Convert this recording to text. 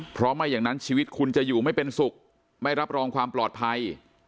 เพราะไม่อย่างนั้นชีวิตคุณจะอยู่ไม่เป็นสุขไม่รับรองความปลอดภัย